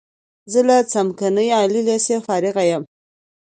زه له څمکنیو عالی لیسې فارغ یم.